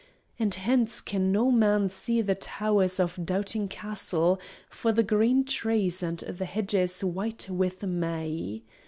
And hence can no man see the towers of Doubting Castle, for the green trees and the hedges white with May.